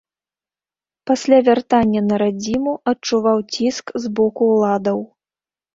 Пасля вяртання на радзіму адчуваў ціск з боку ўладаў.